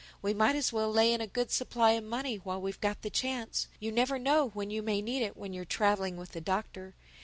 We might as well lay in a good supply of money while we've got the chance—you never know when you may need it when you're traveling with the Doctor.